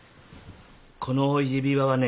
この指輪はね。